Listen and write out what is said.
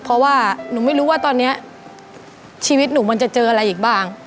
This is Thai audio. เพราะว่าหนูไม่รู้ว่าตอนนี้ชีวิตหนูมันจะเจออะไรอีกบ้าง